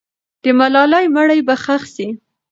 د ملالۍ مړی به ښخ سي.